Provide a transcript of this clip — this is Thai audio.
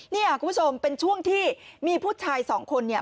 เนี่ยคุณผู้ชมเป็นช่วงที่มีผู้ชายสองคนเนี่ย